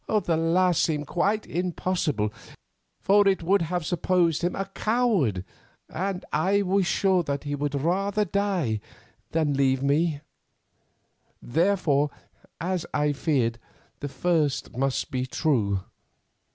The last seemed quite impossible, for it would have supposed him a coward, and I was sure that he would rather die than leave me; therefore, as I feared, the first must be true.